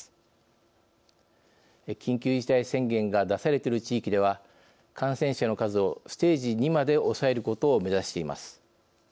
緊急事態宣言が出されている地域では感染者の数をステージ２まで抑えることを目指しています。